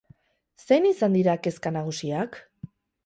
Zein izan dira kezka nagusiak?